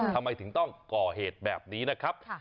ทำไมถึงต้องก่อเหตุแบบนี้นะครับ